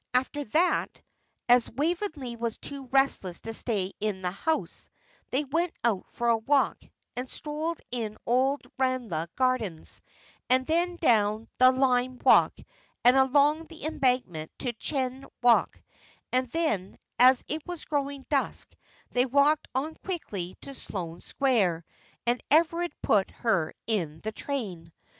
After that, as Waveney was too restless to stay in the house, they went out for a walk, and strolled in Old Ranelagh gardens, and then down the lime walk and along the embankment to Cheyne Walk; and then, as it was growing dusk, they walked on quickly to Sloane Square, and Everard put her in the train.